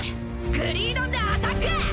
グリードンでアタック！